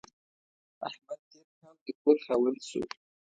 احمد تېر کال د کور خاوند شو.